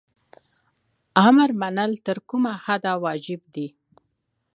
امر منل تر کومه حده واجب دي؟